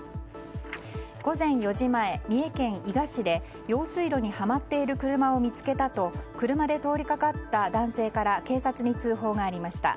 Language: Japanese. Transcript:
午前４時前、三重県伊賀市で用水路にはまっている車を見つけたと車で通りかかった男性から警察に通報がありました。